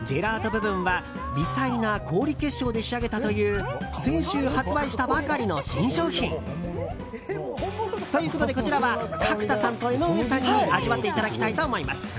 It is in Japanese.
部分は微細な氷結晶で仕上げたという先週発売したばかりの新商品。ということでこちらは角田さんと江上さんに味わっていただきたいと思います！